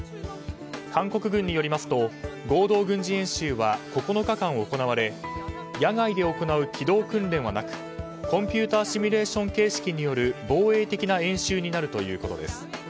韓国軍によりますと合同軍事演習は９日間行われ野外で行う機動訓練はなくコンピューターシミュレーション形式による防衛的な演習になるということです。